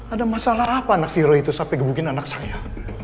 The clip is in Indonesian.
ada masalah apa anak si roy itu sampe gebukin anak saya